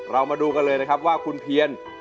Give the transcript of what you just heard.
เรามาดูกันเลยนะครับว่าคุณเพียน